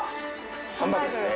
ハンバーグですね。